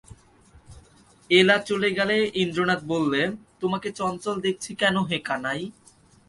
এলা চলে গেলে ইন্দ্রনাথ বললে, তোমাকে চঞ্চল দেখছি কেন হে কানাই?